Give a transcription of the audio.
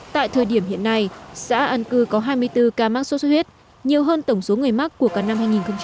tại thời điểm hiện nay xã an cư có hai mươi bốn ca mắc sốt xuất huyết nhiều hơn tổng số người mắc của cả năm hai nghìn một mươi tám